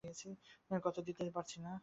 কথা দিতে পারছি না।